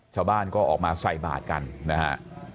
ชาวบ้านก็ออกมาใส่บาทกันนะฮะ